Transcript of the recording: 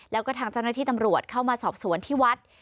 แล้วก็ทางเจ้าหน้าที่ตำรวจเข้ามาสอบสวนที่วัด